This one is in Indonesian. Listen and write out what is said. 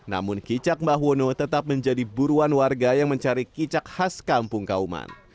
namun kicak mbah wono tetap menjadi buruan warga yang mencari kicak khas kampung kauman